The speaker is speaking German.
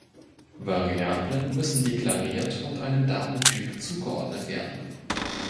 Variablen müssen deklariert und einem Datentyp zugeordnet werden.